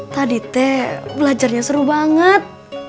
tadi teh belajarnya seru banget